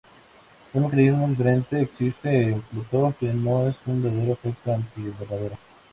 Un mecanismo diferente existe en Plutón, que no es un verdadero efecto anti-invernadero.